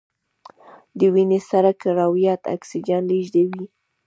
د وینې سره کرویات اکسیجن لیږدوي